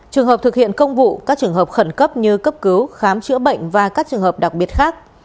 trường hợp thực hiện công vụ các trường hợp khẩn cấp như cấp cứu khám chữa bệnh và các trường hợp đặc biệt khác